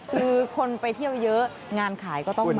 คือคนไปเที่ยวเยอะงานขายก็ต้องมา